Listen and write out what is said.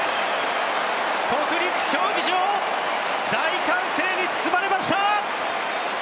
国立競技場大歓声に包まれました！